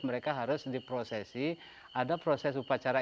mereka harus diproses biasanya dengan proses followers